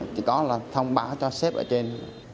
chỉ có là thông báo cho sếp ở trên